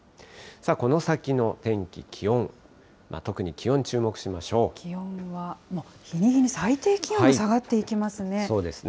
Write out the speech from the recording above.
この先の天気、気温、特に気温に気温は、日に日に、最低気温、下がっていきますね。